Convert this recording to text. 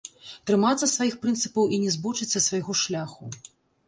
Трымацца сваіх прынцыпаў і не збочыць са свайго шляху.